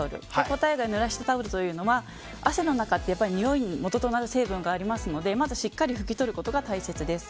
答えが濡らしたタオルというのは汗の中には臭いのもととなる成分がありますのでしっかり拭き取ることが大切です。